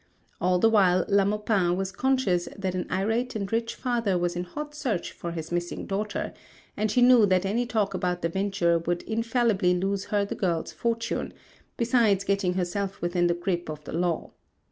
All the while La Maupin was conscious that an irate and rich father was in hot search for his missing daughter, and she knew that any talk about the venture would infallibly lose her the girl's fortune, besides getting herself within the grip of the law.